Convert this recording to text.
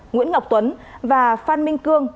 nguyễn ngọc tuấn và phan minh cương